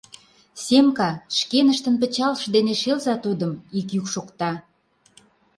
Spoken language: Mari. Семка, шкеныштын пычалышт дене шелза тудым! — ик йӱк шокта.